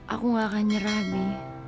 aku gak akan nyerah nih